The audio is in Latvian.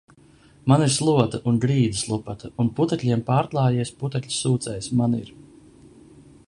Man ir slota un grīdas lupata. Un putekļiem pārklājies putekļu sūcējs man ir.